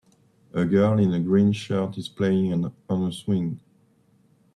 A girl in a green shirt is playing on a swing.